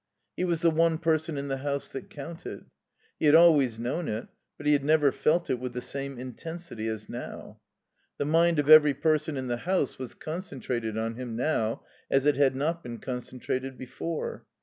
He was the one person in the house that counted. He had always known it, but he had never felt it with the same intensity as now. The mind of every person in the house was concentrated on him now as it had not been concentrated before.